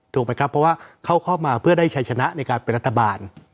ถูกไหมครับเพราะว่าเขาเข้ามาเพื่อได้ชัยชนะในการเป็นรัฐบาล